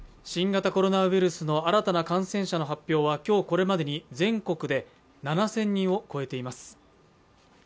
新型コロナウイルスの新たな感染者の発表は今日これまでに全国で７０００人を超えています。